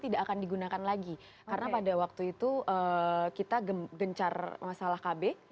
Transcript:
tidak akan digunakan lagi karena pada waktu itu kita gencar masalah kb